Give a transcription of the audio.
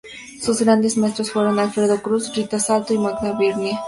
Sus grandes maestros fueron Alfredo Cruz, Rita Salto y Magda Byrne.